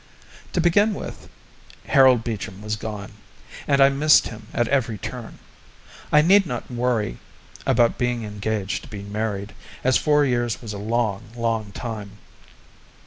To begin with, Harold Beecham was gone, and I missed him at every turn. I need not worry about being engaged to be married, as four years was a long, long time.